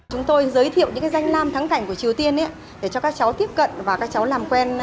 chúng tôi giới thiệu những danh lam thắng cảnh của triều tiên để cho các cháu tiếp cận và các cháu làm quen